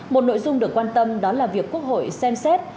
một nội dung được quan tâm đó là việc quốc hội xem xét